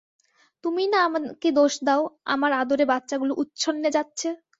তুমিই না আমাকে দোষ দাও আমার আদরে বাচ্চাগুলো উচ্ছন্নে যাচ্ছে।